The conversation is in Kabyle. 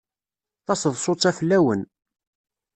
Taseḍsut-a fell-awen.